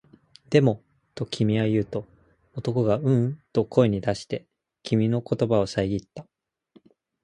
でも、と君は言うと、男がううんと声に出して、君の言葉をさえぎった